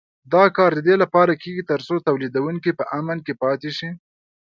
دا کار د دې لپاره کېږي تر څو تولیدوونکي په امن کې پاتې شي.